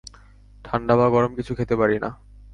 ঠান্ডা বা গরম কিছু খেতে পারি না।